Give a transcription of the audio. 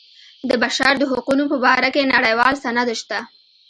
د بشر د حقونو په باره کې نړیوال سند شته.